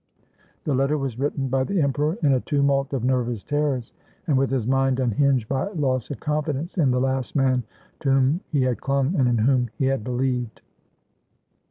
The letter was written by the emperor in a tumult of nervous terrors, and with his mind unhinged by loss of confidence in the last man to whom he had clung and in whom he had beheved.